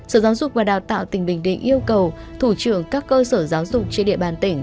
sở giáo dục và đào tạo tỉnh bình định yêu cầu thủ trưởng các cơ sở giáo dục trên địa bàn tỉnh